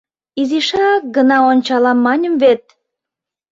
Изишак гына ончалам маньым вет!